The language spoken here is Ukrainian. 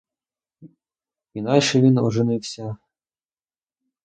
І навіщо він оженився!